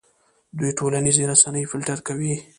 دوی ټولنیزې رسنۍ فلټر کوي.